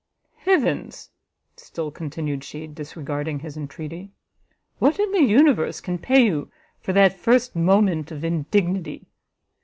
"Heavens!" still continued she, disregarding his entreaty, "what in the universe can pay you for that first moment of indignity!